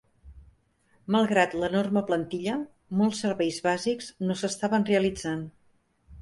Malgrat l'enorme plantilla, molts serveis bàsics no s'estaven realitzant.